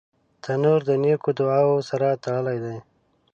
تنور د نیکو دعاوو سره تړلی دی